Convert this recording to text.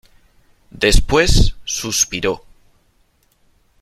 después suspiró :